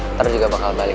ntar juga bakal balik